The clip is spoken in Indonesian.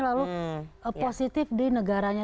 lalu positif di negaranya